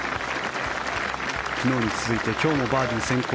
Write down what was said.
昨日に続いて今日もバーディー先行。